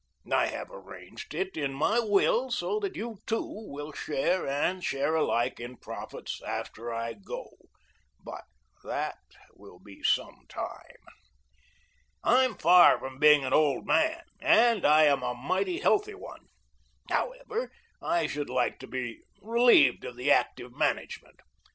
I have arranged it in my will so you two will share and share alike in profits after I go, but that will be some time. I am far from being an old man, and I am a mighty healthy one. However, I should like to be relieved of the active management.